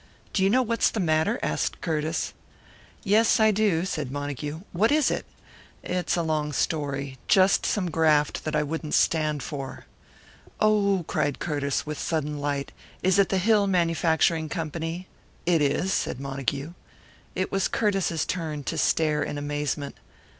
"Do you know what's the matter?" asked Curtiss. "Yes, I do," said Montague. "What is it?" "It's a long story just some graft that I wouldn't stand for." "Oh!" cried Curtiss, with sudden light. "Is it the Hill Manufacturing Company?" "It is," said Montague. It was Curtiss's turn to stare in amazement.